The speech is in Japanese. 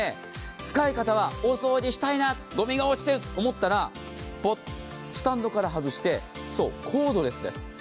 使い方はお掃除したいな、ごみが落ちてると思ったら、ポッとスタンドから外して、そうコードレスです。